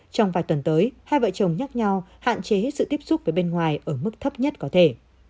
trong vài tuần tới hai vợ chồng nhắc nhau hạn chế sự tiếp xúc với bên ngoài ở mức thấp nhất có thể